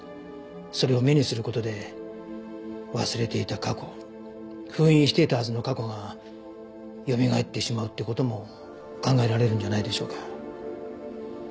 それを目にする事で忘れていた過去封印していたはずの過去がよみがえってしまうっていう事も考えられるんじゃないでしょうか。